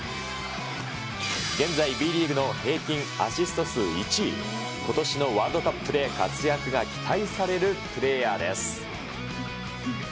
現在、Ｂリーグの平均アシスト数１位、ことしのワールドカップで活躍が期待されるプレーヤーです。